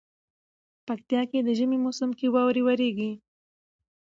پکتيا کي دي ژمي موسم کي واوري وريږي